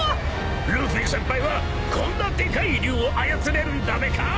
ルフィ先輩はこんなでかい龍を操れるんだべか！